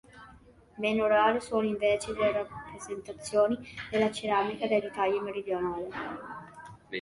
Meno rare sono invece le rappresentazioni nella ceramica dell'Italia meridionale.